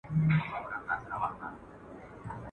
o که ټول جهان طبيب سي، چاري واړه په نصيب سي.